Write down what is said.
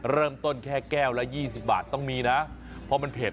เริ่มต้นแค่แก้วละยี่สิบบาทต้องมีนะเพราะมันเผ็ด